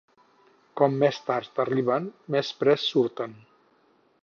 Com més tard arriben, més prest surten.